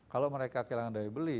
kalau mereka kehilangan daya beli